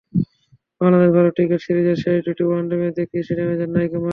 বাংলাদেশ-ভারত cricket সিরিজের শেষ দুুটি one day match দেখতে স্টেডিয়ামে যান নায়িকা মাহি।